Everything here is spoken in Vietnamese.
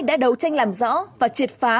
đã đấu tranh làm rõ và triệt phá